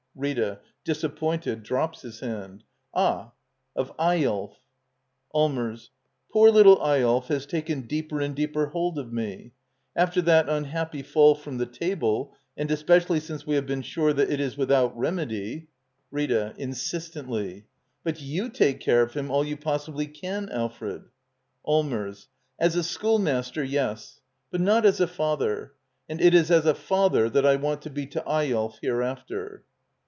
Rita. [Disappointed, drops his hand.] Ah — of Eyolf! Allmers. Poor little Eyolf has taken deeper and deeper hold of me. After tjistjinbapp^^ iall from thc_tabl^ — and especially since we have been sure that it is without remedy — Digitized by VjOOQIC LITTLE EYOLF « Act i. Rita. [Insistently.] But/rou/take care of him all you possibly can, Alfred !^^"^^ Allmers. As a schoolmaster, yes; but not as a fitther. And it is a father that I want to be to "^'Eyolf hereafter.